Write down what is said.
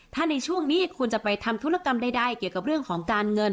ถ้าในช่วงนี้คุณจะไปทำธุรกรรมใดเกี่ยวกับเรื่องของการเงิน